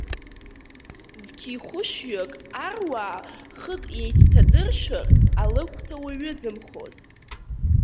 Зқьихәышәҩык аруаа хык иеицҭадыршәыр алыхәҭа уаҩызамхоз!